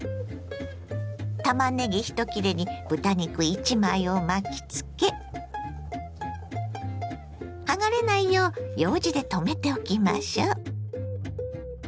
たまねぎ１切れに豚肉１枚を巻きつけ剥がれないようようじでとめておきましょ。